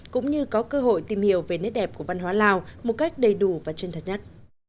cũng như có cơ hội tìm hiểu về nét đẹp của văn hóa lào một cách đầy đủ và chân thật nhất